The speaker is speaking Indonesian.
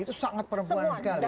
itu sangat perempuan sekali